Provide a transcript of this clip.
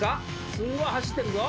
すごい走ってるぞ。